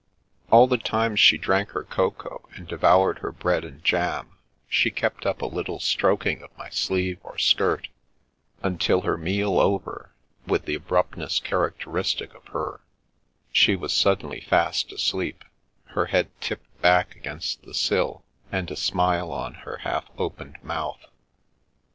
All the time she drank her cocoa and devoured her bread and jam she kept up a little stroking of my sleeve or skirt, until, her meal over, with the abruptness characteristic of her she was suddenly fast asleep, her head tipped back against the sill and a smile on her half opened mouth.